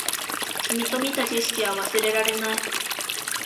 君と見た景色は忘れられない